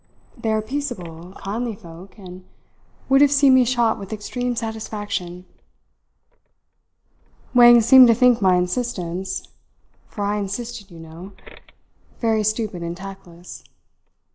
They are peaceable, kindly folk and would have seen me shot with extreme satisfaction. Wang seemed to think my insistence for I insisted, you know very stupid and tactless.